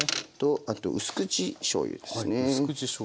あとうす口しょうゆですね。